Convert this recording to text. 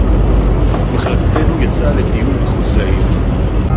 מַחְלַקְתֵּינוּ יָצְאָה לְטִיּוּל מִחוּץ לָעִיר.